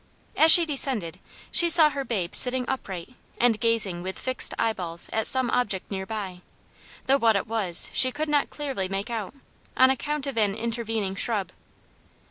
As she descended she saw her babe sitting upright and gazing with fixed eyeballs at some object near by; though what it was she could not clearly make out, on account of an intervening shrub.